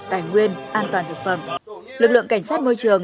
tài nguyên an toàn thực phẩm lực lượng cảnh sát môi trường